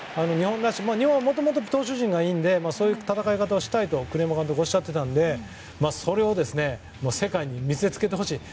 日本はもともと投手陣がいいのでそういう戦い方をしたいと栗山監督はおっしゃっていたのでそれを世界に見せつけてほしい。